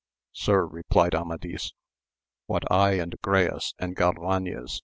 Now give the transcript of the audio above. Sir, replied Amadis, what I and Agrayes and Galvanes